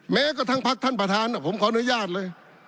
แม้กระทั่งพักท่านประธานผมขออนุญาตเลย